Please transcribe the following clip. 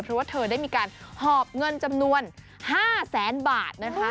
เพราะว่าเธอได้มีการหอบเงินจำนวน๕แสนบาทนะคะ